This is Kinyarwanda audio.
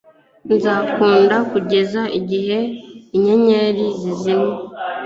Nzagukunda kugeza igihe inyenyeri zizimye